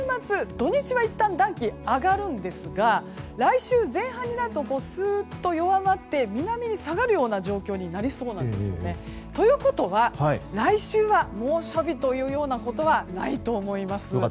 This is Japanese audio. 土日はいったん暖気上がるんですが来週前半になるとスーッと弱まって南に下がるような状況になりそうなんですよね。ということは来週は猛暑日というようなことはないと思います。